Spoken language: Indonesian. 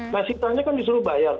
nah sitanya kan disuruh bayar